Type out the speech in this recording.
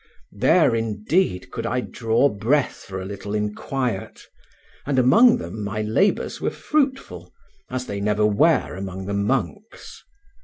There, indeed, could I draw breath for a little in quiet, and among them my labours were fruitful, as they never were among the monks.